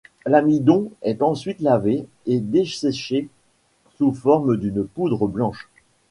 L'amidon est ensuite lavé et desséché sous forme d'une poudre blanche.